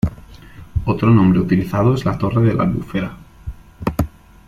Otro nombre utilizado es la torre de la albufera.